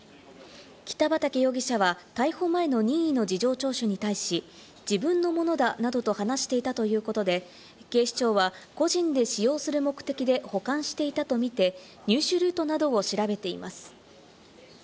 北畠容疑者は、逮捕前の任意の事情聴取に対し、自分のものだなどと話していたということで、警視庁は個人で使用する目的で保管していたとみて、入手ルートなどを調べています。